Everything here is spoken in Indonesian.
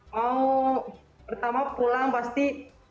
mau pertama pulang pasti